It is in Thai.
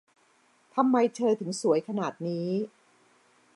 ทำไมเธอถึงสวยขนาดนี้